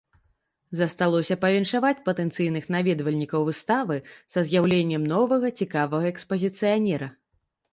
Засталося павіншаваць патэнцыйных наведвальнікаў выставы са з'яўленнем новага цікавага экспазіцыянера.